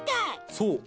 そう！